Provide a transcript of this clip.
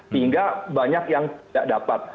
sehingga banyak yang tidak dapat